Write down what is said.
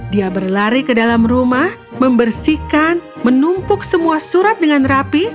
dia berlari ke dalam rumah membersihkan menumpuk semua surat dengan rapi